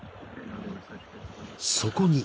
［そこに］